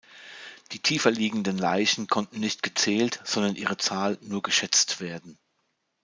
Die tiefer liegenden Leichen konnten nicht gezählt, sondern ihre Zahl nur geschätzt werden.